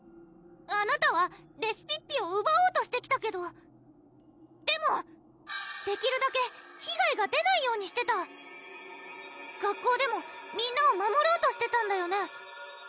あなたはレシピッピをうばおうとしてきたけどでもできるだけ被害が出ないようにしてた学校でもみんなを守ろうとしてたんだよね？